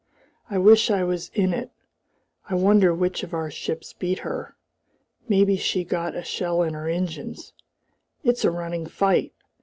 I wish I was in it. I wonder which of our ships beat her. Maybe she got a shell in her engines. It's a running fight!